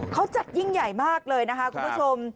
เขาจัดยิ่งใหญ่มากเลยนะคะคุณผู้ชม